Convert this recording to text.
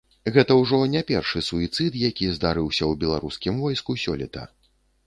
Гэта ўжо не першы суіцыд, які здарыўся ў беларускім войску сёлета.